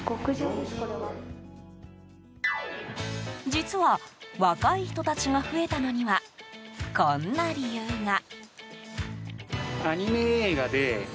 実は若い人たちが増えたのにはこんな理由が。